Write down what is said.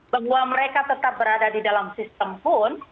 bahwa mereka tetap berada di dalam sistem pun